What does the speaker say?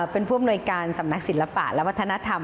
เป็นผู้อำนวยการสำนักศิลปะและวัฒนธรรม